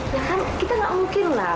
ya kan kita enggak mungkin lah